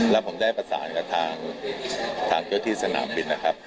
แล้วผมได้ประสานกับทางเจ้าที่สนามบินนะครับ